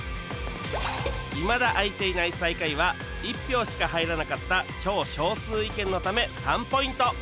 いまだ開いていない最下位は１票しか入らなかった超少数意見のため３ポイント